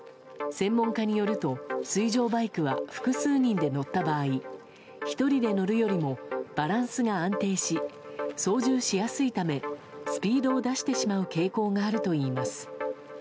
専門家によると水上バイクは複数人で乗った場合１人で乗るよりもバランスが安定し操縦しやすいためスピードを出してしまう傾向があるといいます。